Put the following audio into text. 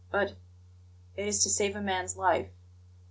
But it is to save a man's life."